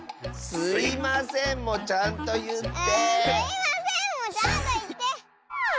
「すいません」もちゃんといって！